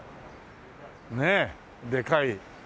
ねえでかい。